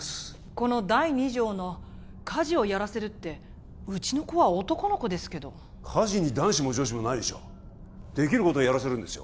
この第２条の家事をやらせるってうちの子は男の子ですけど家事に男子も女子もないでしょうできることをやらせるんですよ